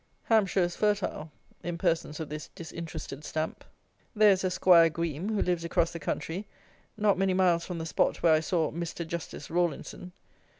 Hampshire is fertile in persons of this disinterested stamp. There is a 'Squire Greme, who lives across the country, not many miles from the spot where I saw "Mr. Justice" Rawlinson.